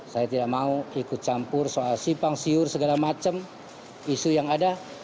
saya tidak mau ikut campur soal simpang siur segala macam isu yang ada